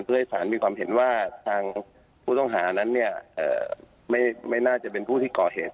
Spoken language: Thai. เพื่อให้สารมีความเห็นว่าทางผู้ต้องหานั้นเนี่ยไม่น่าจะเป็นผู้ที่ก่อเหตุ